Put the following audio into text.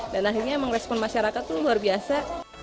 dan akhirnya memang respon masyarakat tuh luar biasa